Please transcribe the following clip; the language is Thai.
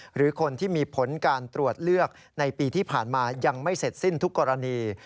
หรือคนที่มีผลการตรวจเลือกในปีที่ผ่านมายังไม่เสร็จสิ้นทุกกรณี